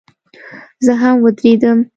زه هم ودرېدم.